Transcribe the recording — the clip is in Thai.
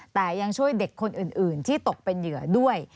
แต่ยังช่วยเด็กคนอื่นที่ตกเป็นเหยื่อด้วย